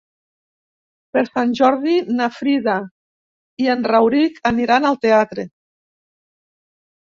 Per Sant Jordi na Frida i en Rauric aniran al teatre.